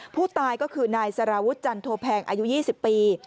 ผู้ตายก็คือนายสารวุฒิจันโทแพงอายุ๒๐ปี